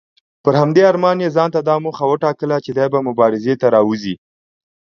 پر همدې ارمان یې ځانته دا موخه وټاکله چې دی به مبارزې ته راوځي.